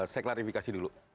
saya klarifikasi dulu